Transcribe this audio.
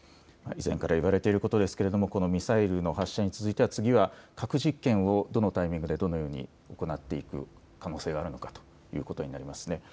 以前から言われていることですけれどもミサイルの発射に続いては核実験をどのタイミングでどのように行っていく可能性があるのかということになりますね。